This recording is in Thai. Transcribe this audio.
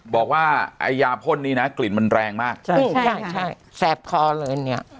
บอกว่าไอ้ยาพ่นนี้นะกลิ่นมันแรงมากใช่แสบคอเลยเนี้ย